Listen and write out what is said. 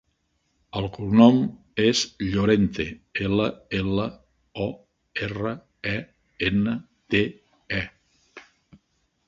El cognom és Llorente: ela, ela, o, erra, e, ena, te, e.